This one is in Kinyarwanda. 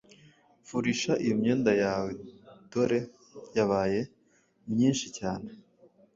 furisha iyo myenda yawed ore yabaye myinshi cyane